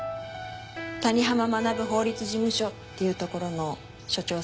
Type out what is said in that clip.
谷浜学法律事務所っていうところの所長さん。